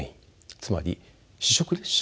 つまり試食列車を企画